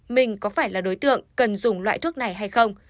mình có phải là đối tượng cần dùng loại thuốc này hay không